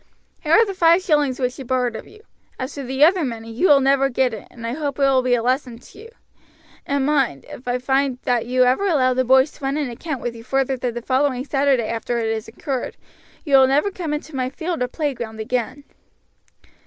"Here are the five shillings which he borrowed of you; as to the other money, you will never get it, and I hope it will be a lesson to you; and mind, if I find that you ever allow the boys to run an account with you further than the following Saturday after it is incurred, you will never come into my field or playground again."